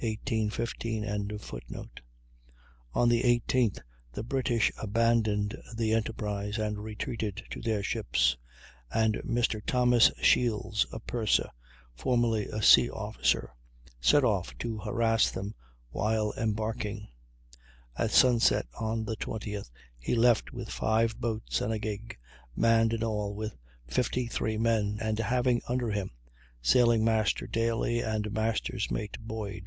] On the 18th the British abandoned the enterprise and retreated to their ships; and Mr. Thomas Shields, a purser, formerly a sea officer, set off to harass them while embarking. At sunset on the 20th he left with five boats and a gig, manned in all with 53 men, and having under him Sailing master Daily and Master's Mate Boyd.